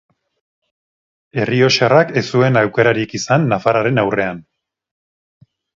Errioxarrak ez zuen aukerarik izan nafarraren aurrean.